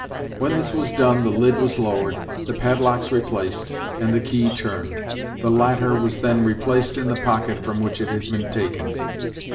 When this was done the lid was lowered, the padlocks replaced, and the key turned. The latter was then replaced in the pocket from which it had been taken.